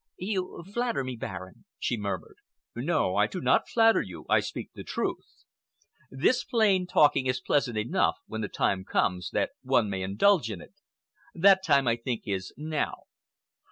"You flatter me, Baron," she murmured. "No, I do not flatter you, I speak the truth. This plain talking is pleasant enough when the time comes that one may indulge in it. That time, I think, is now.